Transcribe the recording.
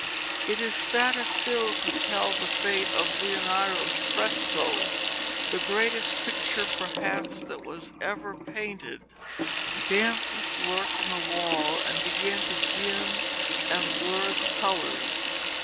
It is sadder still to tell the fate of Leonardo's fresco, the greatest picture perhaps that ever was painted. Dampness lurked in the wall and began to dim and blur the colours.